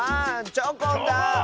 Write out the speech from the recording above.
チョコン。